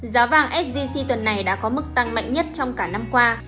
giá vàng sgc tuần này đã có mức tăng mạnh nhất trong cả năm qua